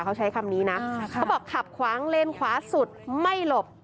เขาใช้คำนี้นะเขาบอกขับขวางเลนขวาสุดไม่หลบ